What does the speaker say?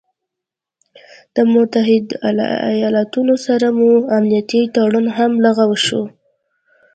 د متحده ايالاتو سره مو امنيتي تړون هم لغوه شو